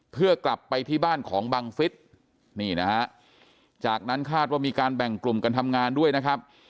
เพื่อกลับไปที่บ้านของบังฟิศนี่นะฮะจากนั้นคาดว่ามีการแบ่งกลุ่มกันทำงานด้วยนะครับ